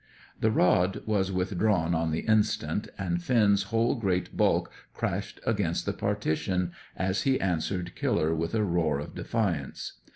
The rod was withdrawn on the instant, and Finn's whole great bulk crashed against the partition, as he answered Killer with a roar of defiance.